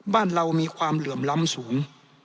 บ้านเรามีความเหลื่อมล้ำสูง